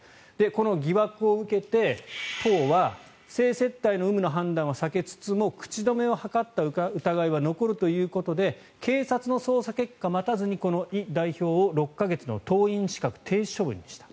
この疑惑を受けて、党は性接待の有無の判断は避けつつも口止めを図った疑いは残るということで警察の捜査結果を待たずにこのイ代表を６か月の党員資格停止処分にした。